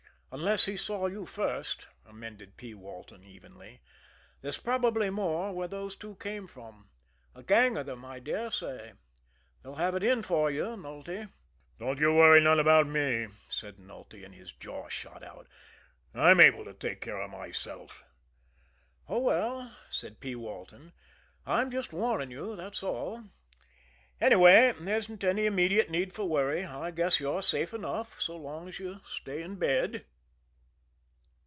"Unless he saw you first," amended P. Walton evenly. "There's probably more where those two came from a gang of them, I dare say. They'll have it in for you, Nulty." "Don't you worry none about me," said Nulty, and his jaw shot out. "I'm able to take care of myself." "Oh, well," said P. Walton, "I'm just warning you, that's all. Anyway, there isn't any immediate need for worry. I guess you're safe enough so long as you stay in bed."